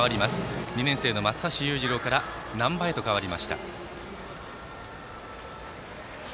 ２年生の松橋裕次郎から難波へと代わりました。